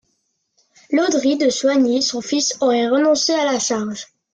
Landry de Soignies, son fils, aurait renoncé à la charge.